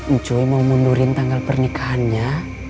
encoy mau mundurin tanggal pernikahannya